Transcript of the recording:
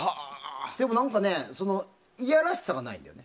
でも何かねいやらしさがないんだよ。